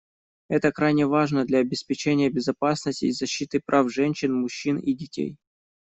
Это крайне важно для обеспечения безопасности и защиты прав женщин, мужчин и детей.